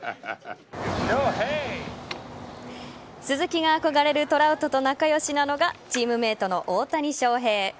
鈴木が憧れるトラウトと仲良しなのがチームメイトの大谷翔平。